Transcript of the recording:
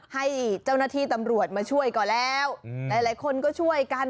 ให้เจ้าหน้าที่ตำรวจมาช่วยก่อนแล้วหลายคนก็ช่วยกัน